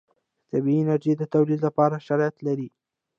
د طبعي انرژي د تولید لپاره شرایط لري.